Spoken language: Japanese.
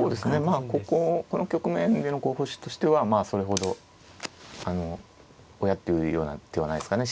まあこここの局面での候補手としてはまあそれほど「おや？」っていうような手はないですかね。